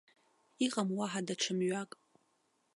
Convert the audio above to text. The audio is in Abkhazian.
Иҟам уаҳа даҽа мҩак.